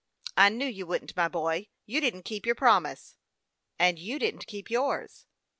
I knew you wouldn't, my boy. You didn't keep your promise." " And you didn't keep yours."